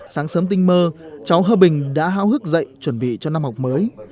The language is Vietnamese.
sáng sớm tinh mơ cháu hơ bình đã hào hức dậy chuẩn bị cho năm học mới